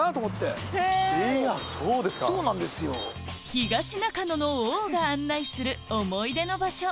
東中野の王が案内する思い出の場所